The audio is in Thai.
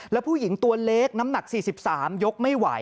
แล้วผู้หญิงตัวเล็กน้ำหนัก๔๓ยกไม่ไหว